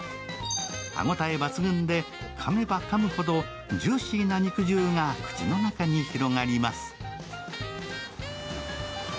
歯ごたえ抜群で噛めば噛むほどジューシーな肉汁が口の中に広がります。